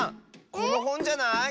このほんじゃない？